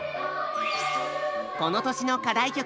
この年の課題曲